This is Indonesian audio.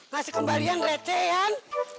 ngasih kembalian recehan